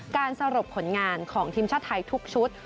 การสรุปผลงานของทีมชาติไทยทุกชุด